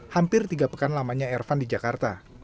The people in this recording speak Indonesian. hampir tiga pekan lamanya ervan di jakarta